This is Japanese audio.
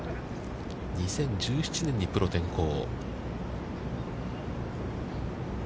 ２０１７年にプロ転向。